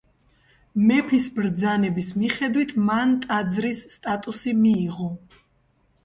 მეფის ბრძანების მიხედვით მან ტაძრის სტატუსი მიიღო.